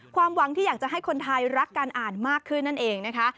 ความหวังที่อยากจะให้คนไทยรักการอ่านมากขึ้นนั่นเองนะคะ